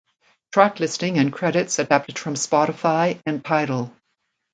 Track listing and credits adapted from Spotify and Tidal.